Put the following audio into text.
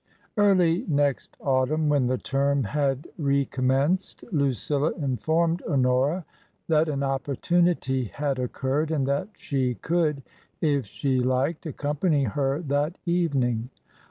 Early next autumn, when the term had recommenced, Lucilla informed Honora that an opportunity had oc curred, and that she could, if she liked, accompany her that evening.